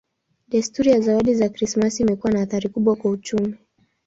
Desturi ya zawadi za Krismasi imekuwa na athari kubwa kwa uchumi.